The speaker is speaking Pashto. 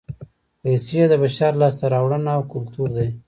پیسې د بشر لاسته راوړنه او کولتور دی